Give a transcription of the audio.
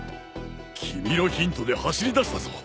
君のヒントで走りだしたぞ。